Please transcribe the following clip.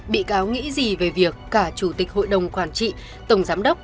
bị cáo nghĩ gì về việc cả chủ tịch hội đồng quản trị tổng giám đốc